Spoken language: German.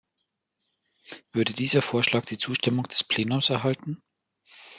Würde dieser Vorschlag die Zustimmung des Plenums erhalten?